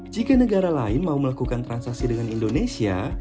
jika negara lain mau melakukan transaksi dengan indonesia